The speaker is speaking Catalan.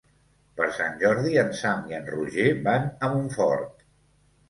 Per Sant Jordi en Sam i en Roger van a Montfort.